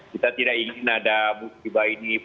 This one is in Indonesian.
kita tidak ingin ada musibah ini